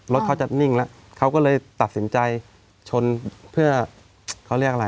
รถเขาจะนิ่งแล้วเขาก็เลยตัดสินใจชนเพื่อเขาเรียกอะไร